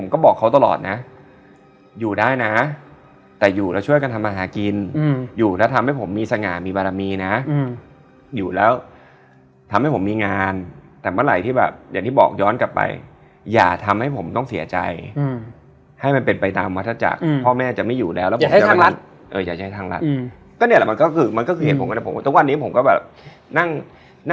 ก็เลยอยู่ข้างล่างอ่าอยู่ข้างล่างคนเดียวขึ้นไปเราก็ขึ้นไปนานเนอะ